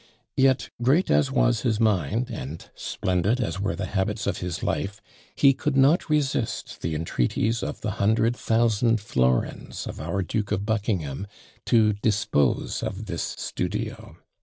Yet, great as was his mind, and splendid as were the habits of his life, he could not resist the entreaties of the hundred thousand florins of our Duke of Buckingham, to dispose of this studio.